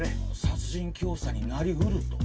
殺人教唆になり得ると？